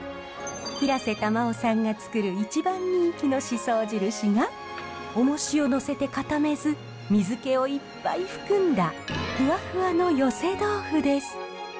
平瀬玉緒さんがつくる一番人気の宍粟印がおもしを載せて固めず水けをいっぱい含んだふわふわの寄せ豆腐です。